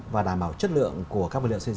và đảm bảo chất lượng của các vật liệu xây dựng